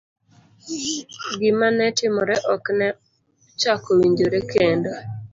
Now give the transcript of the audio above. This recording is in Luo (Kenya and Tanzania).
Gima ne timore ok ne ochako owinjore kendo;